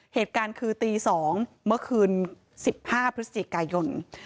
เหตุการณ์คือตี๒เมื่อคืน๑๕พฤศจิกายน